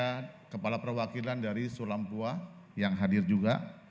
dan juga kepala perwakilan dari sulampua yang hadir juga